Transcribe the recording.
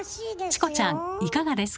チコちゃんいかがですか？